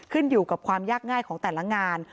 ขึ้นอยู่กับความยากง่ายของแต่ละงาน